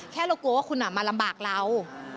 แค่เรากลัวว่าคุณมาลำบากเรา